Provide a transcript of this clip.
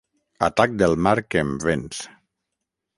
Atac del mar que em venç.